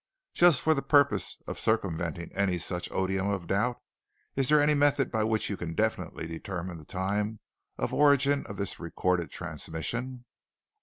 "Just for the purpose of circumventing any such odium of doubt, is there any method by which you can definitely determine the time of origin of this recorded transmission?"